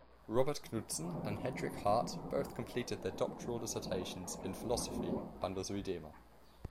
Robert Knudsen and Hendrik Hart both completed their doctoral dissertations in philosophy under Zuidema.